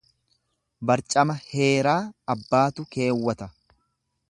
Barcama heeraa abbaatu keewwata.